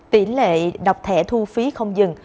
tỷ lệ đọc thẻ thu phí không dừng